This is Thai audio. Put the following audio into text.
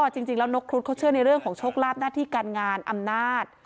จริงแล้วนกครุฑเขาเชื่อในเรื่องของโชคลาภหน้าที่การงานอำนาจ